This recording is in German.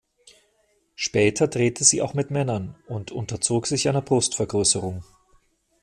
Später drehte sie auch mit Männern und unterzog sich einer Brustvergrößerung.